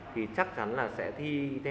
thì chắc chắn là sẽ thi theo